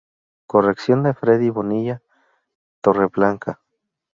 Corrección de Freddy Bonilla Torreblanca.